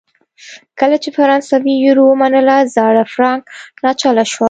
کله چې فرانسې یورو ومنله زاړه فرانک ناچله شول.